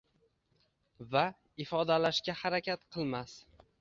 va ifodalashga harakat qilmas?